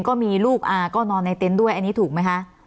ก็มีลูกอาก็นอนในเต็นต์ด้วยอันนี้ถูกไหมคะ